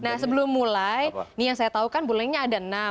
nah sebelum mulai nih yang saya tahu kan bulannya ada enam